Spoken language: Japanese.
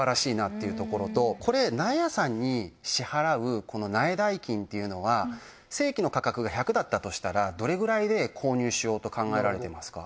これ苗屋さんに支払うこの苗代金っていうのは正規の価格が１００だったとしたらどれくらいで購入しようと考えられてますか？